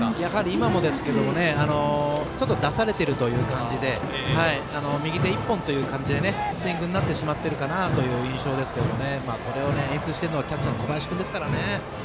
今もですけどちょっと出されているという感じで右手１本という感じでスイングになってしまってるかなというものですが、演出はキャッチャーの小林君ですから。